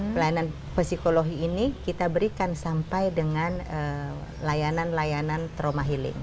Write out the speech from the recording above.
pelayanan psikologi ini kita berikan sampai dengan layanan layanan trauma healing